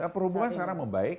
perhubungan sekarang membaik